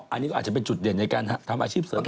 อันนี้ก็อาจจะเป็นจุดเด่นในการทำอาชีพเสริม